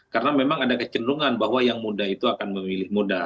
karena memang ada kecenderungan bahwa yang muda itu akan memilih muda